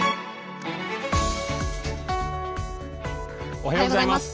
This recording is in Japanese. おはようございます。